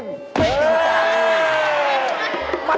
ไม่จริงจัง